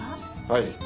はい。